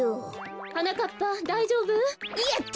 はなかっぱだいじょうぶ？やった！